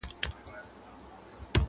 o اورۍ او نوک نه سره جلا کېږي٫